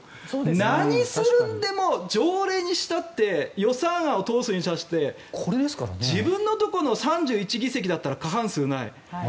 何するんでも条例にしたって予算案を通すにしたって自分のところの３１議席だったら過半数ない。